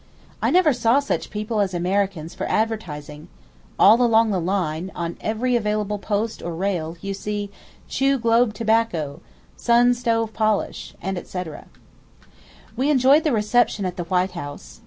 I never saw such people as Americans for advertising; all along the line, on every available post or rail, you see, "Chew Globe Tobacco," "Sun Stove Polish," &c. We enjoyed the reception at the White House.